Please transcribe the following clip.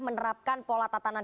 menerapkan pola tatanan